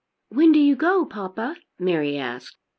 "When do you go, papa?" Mary asked.